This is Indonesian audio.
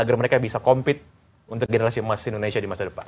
agar mereka bisa compete untuk generasi emas indonesia di masa depan